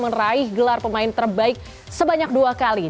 meraih gelar pemain terbaik sebanyak dua kali